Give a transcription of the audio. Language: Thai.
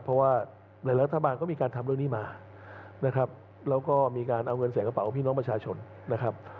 เพราะว่าหลายรัฐบาลก็มีการทำเรื่องนี้มานะครับแล้วก็มีการเอาเงินใส่กระเป๋าของพี่น้องประชาชนนะครับ